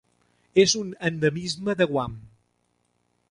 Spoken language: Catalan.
És un endemisme de Guam.